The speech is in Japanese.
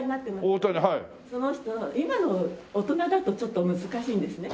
その人を今の大人だとちょっと難しいんですね。